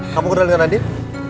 kamu kenal dengan andin